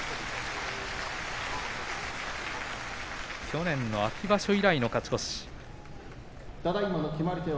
去年の秋場所以来の勝ち越し。